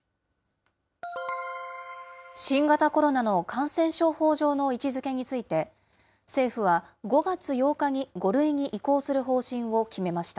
新型コロナの感染症法上の位置づけについて、政府は５月８日に５類に移行する方針を決めました。